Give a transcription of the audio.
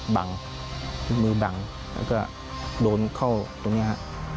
บังมือบังแล้วก็โดนเข้าตรงนี้ฮะ